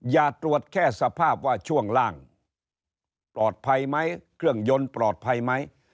อย่าตรวจแค่สภาพว่าช่วงล่างปลอดภัยไหมเครื่องยนต์ปลอดภัยไหม